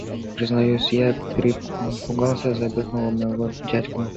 Признаюсь, я перепугался за бедного моего дядьку.